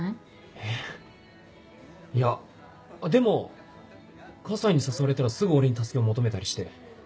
えいやでも河西に誘われたらすぐ俺に助けを求めたりして。